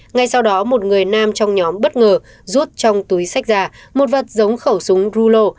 ngay sau đó một người nam trong nhóm bất ngờ rút trong túi sách già một vật giống khẩu súng rulo